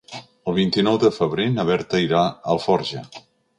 El vint-i-nou de febrer na Berta irà a Alforja.